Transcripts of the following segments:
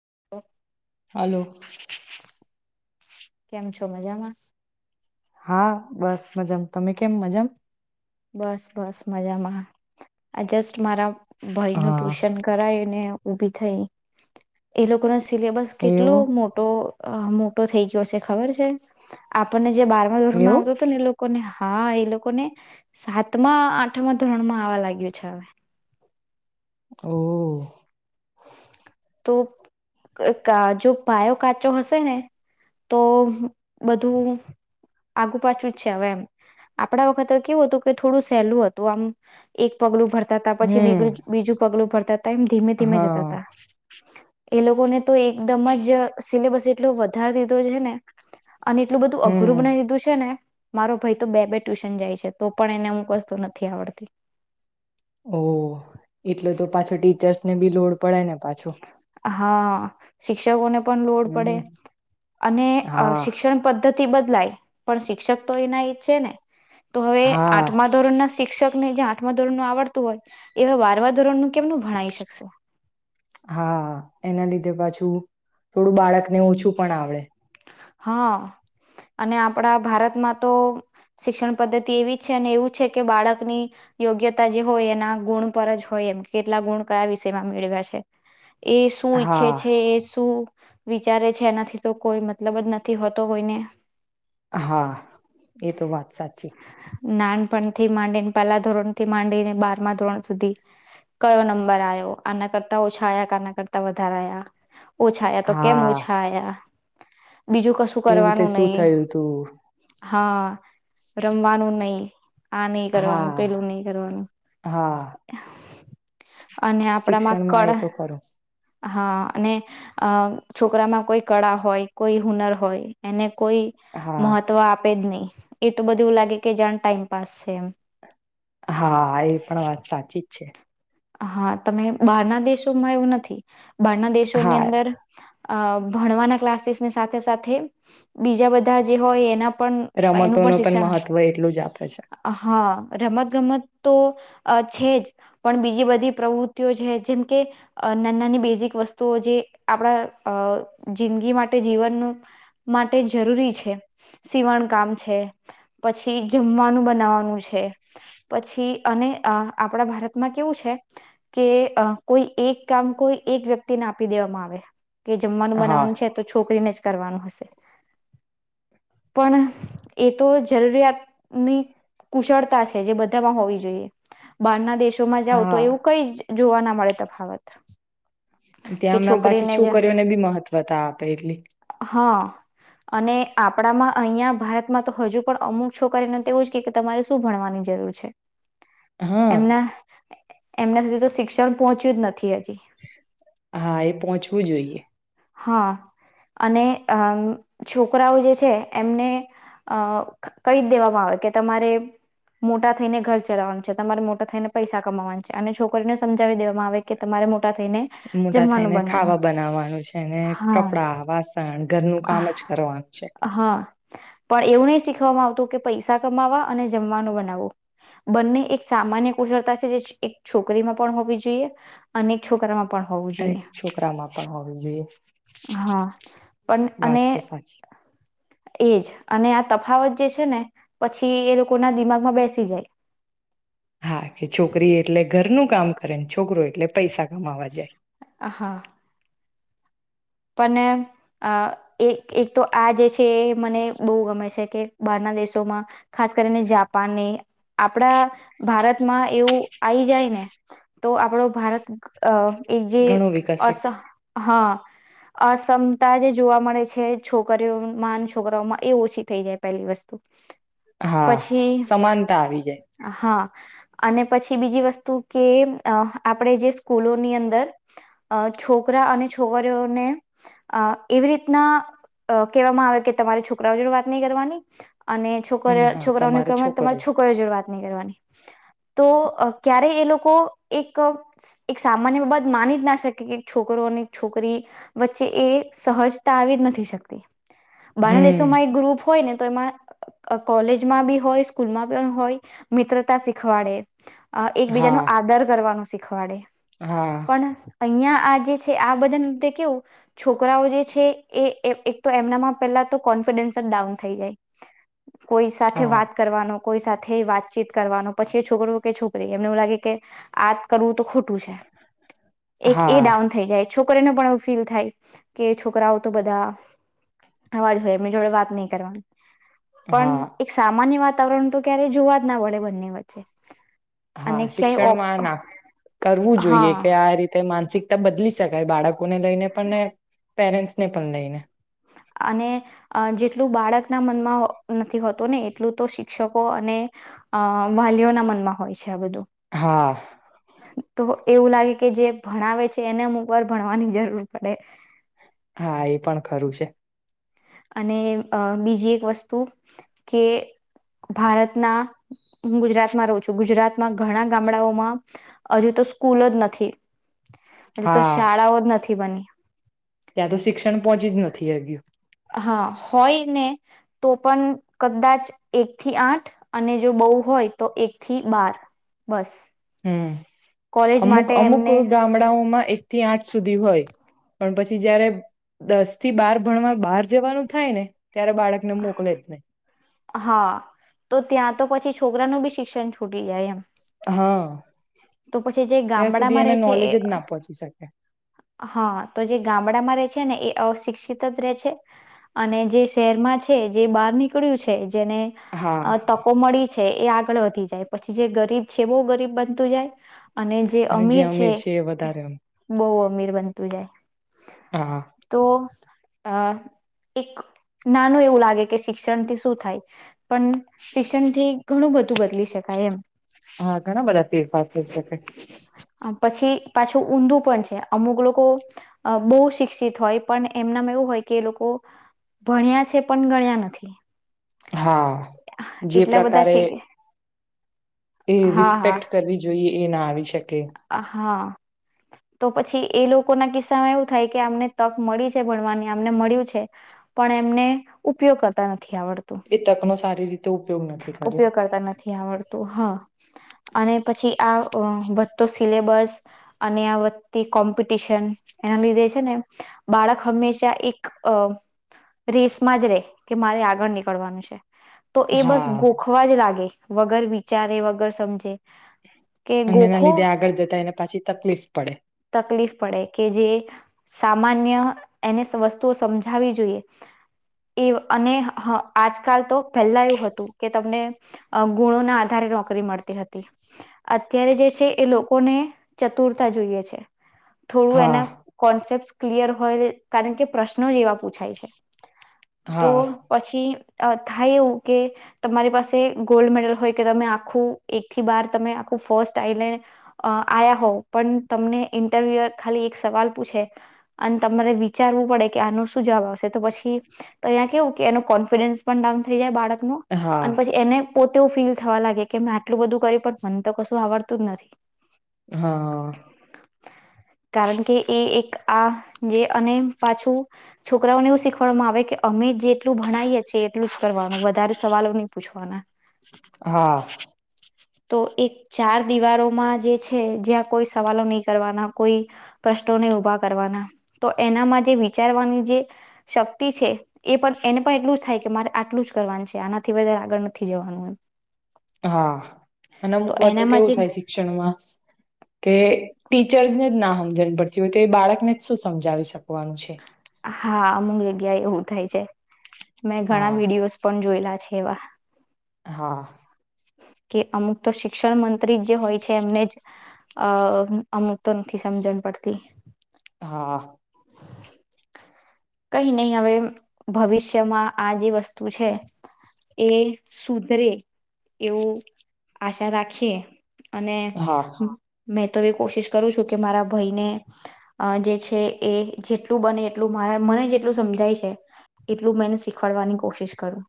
[unintelligible] હાલો કેમ છો? મજામાં હા બસ મજા તમે કેમ? મજામ બસ બસ મજામાં આ જસ્ટ મારા ભાઈ નું હા. ટ્યુશન કરાવીને ઉભી થાય એ લોકો ના સિલેબસ કેટલો એવું મોટો અ મોટો થઈ ગયો છે, ખબર છે આપણને જે બારમા ધોરમાં એવું. આવતો હતો ને એ લોકોને હા એ લોકો ને સાતમાં આઠમાં ધોરણ માં આવા લાગ્યું છે, હવે [unintelligible] તો જો પાયો કાચો હશે ને તો બધું આગુ પાછું જ છે, હવે એમ આપડા વખતે કેવું હતું કે થોડું સહેલું હતું, આમ એક પગલું ભર હતા પછી બી હમ બીજું પગલું ફરતા ટાઈમ ધીમે ધીમે જ હા એ લોકોગને તો એકદમ જ સિલેબસ જેટલોું વધારે દીધો છે, ને અને એટલું બધું અઘરું હમ. બનાવી દીધું છે, ને મારો ભઈ તો બે-બે ટ્યુશન જાય છે. તો પણ એને અમુક વસ્તુ નથી આવડતી. ઓહ. એટલું તો પાછો ટીચર્સ ને બી લોડ પડે ને પાછો. હા શિક્ષકોને પણ લોડ પડે હમ અને અ હા. શિક્ષણ પદ્ધતિ તિ બદલાય. પણ શિક્ષક તો એના એજ છે ને. તો હવે હા આઠમા ધોરણના શિક્ષકને જા આઠમા ધોરણનું આવડતું હોય એવા બારમા ધોરણનું કેમનું ભણાઈ શકશે. હા એના લીધે પાછું થોડું બાળકને ઓછું પણ આવડે. હા અને આપડા ભારતમાં તો શિક્ષણ પદ્ધતિ એવી છે અને એવું છે કે બાળકની યોગ્યતા જે હોય એના ગુણ પર જ હોય એમ કે કેટલા ગુણ કયા વિષયમાં મેળવ્યા છે. એ શું હા ઈચ્છે છે એ શું વિચારે છ જેનાથી તો કોઈ મતલબ જ નથી હોતો કોઈને. હા એ તો વાત સાચી. નાનપણથી માંડીને પહેલા ધોરણથી માંડીને બારમાં ધોરણ સુધી કયો નંબર આયો. આના કરતા ઓછા આયા ક આના કરતા વધાર આયા પૂછાયા તો કેમ હા ઉછ [inaudible] બીજું કશું એવું તે કરવાનું શું નઈ. થયું તું હા રમવાનું નઈ. આ નઈ કરવાનું હા. પેલું નઈ કરવાનું. હા અને આપડામાં શિક્ષણમાં એ કળા તો ખરું હા અને અ છોકરામાં કોઈ કળા હોય કોઈ હુનર હોય એને કોઈ હા મહત્વ આપે જ નઈ. એ તો બધું એવું લાગે કે જાણ ટાઈમપાસ છે એમ. હા, એ પણ વાત સાચી જ છે. હા, તમે બહારના દેશોમાં એવું નથી. બહારના દેશોની હા અંદર અ ભણવાના ક્લાસીસની સાથે-સાથે બીજા બધા જે હોય એના પણ એનું પણ રમતોનો શિક્ષણ. મહત્વ એટલું જ આપે છે હા રમત-ગમત તો અ છે જ પણ બી જે બધી પ્રવૃત્તિઓ છે. જેમ કે નાન નાની બેઝિક વસ્તુઓ જે આપડા જિંદગી માટે જીવન માટે જરૂરી છે. સીવણ કામ છે. પછી જમવાનું બનાવાનું છે. પછી અને આપડા ભારતમાં કેવું છે કે કોઈ એક કામ કોઈ એક વ્યક્તિને આપી દેવામાં આવે કે જમવાનું હા બનાવાનું છે તો છોકરીને જ કરવાનું હશે પણ એ તો જરૂરિયાતની કુશળતા છે જે બધામાં હોવી જોઈએ બહારના દેશો [inaudible] તો હા એવું કઈ જોવા ના મળે તફાવત કે ત્યાં અમે પાછી છોકરીને જ છોકરીઓને બી મહત્વતા આપે એટલી હા અને આપણામાં અહીયાંયા ભારતમાં તો હજુ પણ અમુક છોકરીને તો એવું જ કે તમારે શું ભણવાની જરૂર છે હા એમના એમના સુધી તો શિક્ષણ પહોંચ્યું જ નથી હજી હા એ પહોંચવું જોઈએ હા અને અ છોકરાઓ જે છે એમને અ કહી દેવામાં આવે કે તમારે મોટા થઈને ઘર ચલાવવાનું છે તમારે મોટા થઈને પૈસા કમાવાનું છે અને છોકરીને સમજાવી દેવામાં આવે કે તમારે મોટા ટા થઈને જમવાનું બનાવ છેને કપડાા વાસણ ઘરનું કામ આહ, જ કરવા છે હા પણ એવું નહી શીખવામાં આવતું કે પૈસા કમાવા અને જમવાનું બનાવવું બંને એક સામાન્ય કુશળતા છે જે એક છોકરીમાં પણ હોવી જોઈએ અને છોકરામાં પણ હોવું એક જોઈએ છોકરામાં પણ હોવી જોઈએ હા પણ વાત અને તો સાચી એજ અને આ તફાવત જે છે ને પછી એ લોકો ના દિમાગમાં બેસી જાય હા કે છોકરી એટલે ઘરનું કામ કરેને છોકરો એટલે પૈસા કમાવા જાય હ હા પણ અ એક એક તો આ જે છે એ મને બહુ ગમે છે કે બહારના દેશોમાં ખાસ કરીને જાપાનને આપડા ભારતમાં એવું આવી જાય ને તો આપણો ભારત અ એ જે ઘણું અ વિકસિત હા અસમતા જે જોવા મળે છે છોકરીઓ માન છોકરાઓમાં એ ઓછી થઈ જાય પહેલી વસ્તુ હા પછી સમાનતા આવી જાય હા અને પછી બીજી વસ્તુ કે આપણે જે સ્કૂલોની અંદર છોકરા અને છોકરીઓ એવી રીતના કહેવામાં આવે કે તમારે છોકરાઓ જોડે વાત નહી કરવાની અને હમ છોકરી હા છોકરાઓની તમારે કત તમારી છોકરીઓ જોડે વાત નહી કરવાની તો ક્યારેય એ લોકો એક સામાન્ય બા માની જ ના શકે કે છોકરો અને છોક છોકરી વચ્ચે એ સહજતા આવી જ નથી શકતી બાંગ્લા હમ દેશોમાં એક ગ્રુપ હોય ને તો એમાં કોલેજમાં બી હોય સ્કૂલમાં પણ હોય મિત્રતા શીખવાડે અ એકબીજા ન હા આદર કરવાનું શીખ ખખવાડે હા. અહિયાં આ જે છે આ બધા તે કેવું, છોકરાઓ જે છે એ એક-એક તો એમનામાં પેલા તો કોન્ફિડન્સ જ ડાઉન થઈ જાય. કોઈ સાથે વાત હા કરવાનો કોઈ સાથે વાતચીત કરવાનો પછી એ છોકરો કે છોકરી એમને એવું લાગે કે આ જ કરવું તો ખોટ ટું છે. એક એ હા ડાઉન થઈ જાય. છો કરીન પણ એવુ ફીલ થાય, કે છોકરાઓ તો બધા આવા જ હોય એની જોડે વાત નહી કરવાની. પણ હા એક સામાન્ય વાત વાતાવરણ તો ક્યારે જોવા જ ના મળે બંને વચ્ચે. હા અને ક્યાંય શિક્ષણમાં ઓપ ના કરવું, હા જોઈએ કે આ રીતે માનસિક રીતે બદલી શકાય બાળક લોકોને લઈને પન એ પેરેન્ટ્સ ને પણ લઈને. અને અહ જેટલું બાળકના મનમાં હ નથી હોતું ને એટલું તો શિક્ષકો અને અહ વાલીઓના મનમાં હોય છે આ બધું. હા. તો એવું લાગે કે જે ભણાવે છે એને મ ઉપર ભણવાની જરૂર પડે. હા એ પણ ખરું છે. અને અહ બીજી એક વસ્તુ કે ભારતના હું ગુજરાતમાં રહું છું. ગુજરાતમાં ઘણા ગામડાઓમાં હજુ તો સ્કૂલ જ નથી. તો હા શાળાઓ જ નથી બની. ત્યાં તો શિક્ષણ પહોંચી જ નથી હગ્યું. હા. હોય ને તો પણ કદાચ એક થી આઠ અને જો બહુ હોય તો એક થી બાર બસ. હમ્મ. કોલેજ માટે અમુક-અમુક એમને ગામડાઓમાં એક એક થી આઠ સુધી હોય, પણ પછી જયારે દસ થી બાર ભણવા બહાર જવાનું થાય ને ત્યારે બાળકને મોકલે જ નહી હા તો ત્યાં તો પછી છોકરાનું બી શિક્ષણ છૂટી જાય એમ. હા તો પછી જે ત્યાં સુધી ગામડામાં રહે એને છે નોલેજ એ, જ ના પહોંચી શકે હા. તો જે ગામડામાં છે છે ને એ અશિક્ષિત જ રહે છે, અને જે શહેરમાં છ છે, જે બહાર નીકળ્યું છે જેને હા અહ તકો મળી છ છે એ આગળ વધી જાય. પછી જે ગરીબ છે એ બહુ ગરીબ બનતું જાય અને જે અમીર છે બહું અ મીર બનતું જાય. હા. તો હા. એક નાન નું એવું લાગે કે શિક્ષણથી શું થાય, પણ શિક્ષણ થી ઘણું બધું બદલી શકાય એમ. હા ઘણા બધા ફેરફાર થઈ શકે. અહ પછી પાછું ઊંધું પણ છે, અમુક લોકો બહુ શિક્ષિત હોય પણ એમનામાં એવું હોય કે એ લોકો ભણ્યા છે પણ ગણ્યા નથી. હા, જે એટલા બધા પ્રકારે એ શીખે એ હા હા રિસ્પેક્ટ કરવી જોઈએ એ ના આવી શ હા તો પછી એ લોક ના કિસ્સા માં એવું થાય કે અમને તક મળીજ [inaudible] ભણવાની આમને મળ્યું છ છે પણ એમને ઉપયોગ કરતા ન થી આવડતું એ તકનો સારી રીતે ઉપયોગ નથી કર્યો. ઉપયોગ કરતા નથી આવડતું હા અને પછી આ તોહ તો સિલેબસ અને આ વતતી કોમ્પિટિશન એના લીધે છે ને બાળક હંમેશા એક અહ રેસમાં જ રે કે મારે આગળ નીકળવાનું છે. તો એ બસ હા ગોખવા જ લાગે. વગર વિચારે વગર સમજે કે અને એના ગોખો લીધે આગળ જતા એને પાછી તકલીફ પડે. તકલીફ પડે કે જે સામાન્ય એને વસ્તુઓ સમજાવી જોઈએ એ અને હ આજકાલ તો પહેલા એવું હતું કે તમને અહ ગુણો ના આધારે નોકરી મળતી હતી. અત્યારે જે છે એ લોકોને ચતુરતા જોઈએ છે. થોડું હા એના કોન્સેપ્ટસ ક્લિયર હોય કારણ કે પ્રશ્નો જે એવા પૂછાય છે. તો હા પછી અહ થાય એવું કે તમારી પાસે ગોલ્ડ મેડલ હોય કે તમે આખું એક થી બાર તમે આખું ફર્સ્ટ આઈ લેને અહ આયા હોવ પણ તમને ઇન્ટરવ્યુ ખાલી એક સવાલ પૂછે અને તમારે વિચારવું પડે કે આનો શું જવાબ આવશે તો પછી તો અહીં કેવું કે એનો કોન્ફિડન્સ પણ ડાઉન થઈ જાય બાળક નું હા અન પછી એને પોતો ફીલ થવા લાગે કે મેં આટલું બધું કરી પણ મને તો કશું આવડતું જ નથી. હા કારણ કે એ એક આ જે અને પાછું છોકરાઓને એવું શીખડવામાં આવે કે અમે જેટલું ભણાઈ એ છીએ એટલું જ કરવાનું વધારે સવાલો નહી પૂછવાના. હા. તો એક ચાર દિવારોમાં જે છે જ્યાં કોઈ સવાલો નહી કરવાના કોઈ પ્રશ્નો નહી ઉભા કરવાના તો એનામાં જે વિચારવાની જે શક્તિ છે એ પણ એને પણ એટલું જ થાય કે મારે આટલું જ કરવાનું છે આનાથી વધારે આગળ નથી જવાનું એમ. હા અને અમુક વાર તો એનામાં કેવું જે થાય શિક્ષણમાં કે ટીચર્સને જ ના હમજન પડતી હોય કે બાળકને શું સમજાવી શકવાનું છે. હા, અમુક જગ્યા એવું થાય છે. મેં ઘણા હા વિડીયોઝ પણ જોયેલા છે એવા. હા. કે અમુક તો શિક્ષણ મં ત્રી જો હોય છે એમને જ અહ અમુક તો નથી સમજણ પડતી. હા. કઈ નઈ હવે ભવિષ્યમાં આ જે વસ્તુ છે એ સુધરે એવું આશા રાખીએ. અને હા હમ્મ. મેં તો એ કોશિશ કરું છું કે મારા ભાઈને અ જે છે એ જેટલું બને એટલું મા મને જેટલું સમજાય છે એટલું મેં એને શીખવાડવાની કોશિશ કરું.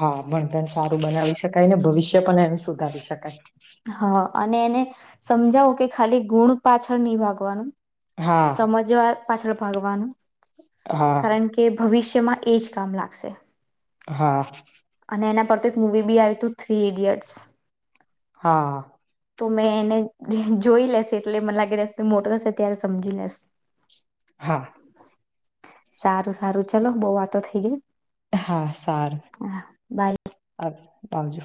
હા બ [inaudible] સારું બનાવી શકાય ને ભવિષ્ય પણ એનું સુધારી શકાય. હા અને એને સમજાવો કે ખાલી ગુણ પાછળ નહી ભાગવાનું હા સમજવા પાછલ ભાગવાનું. હા કારણ કે ભવિષ્યમાં એ જ કામ લાગશે. હા. અને એના પર તો એક મુવી બી આવ્યું તું, થ્રી ઈડિયટ્સ. હા તો મેં એને જોઈ લેશે એટલે મને લાગે રસ મોટો થશે ત્યારે સમજી લેશે. હા. સારું તારું ચલો બવ વાતો થઈ ગઈ. [unintelligible] હા બાય આવજો.